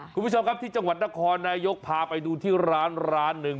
คุณผู้ชมครับที่จังหวัดนครนายกพาไปดูที่ร้านร้านหนึ่ง